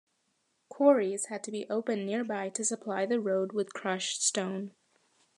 Quarries had to be opened nearby to supply the road with crushed stone.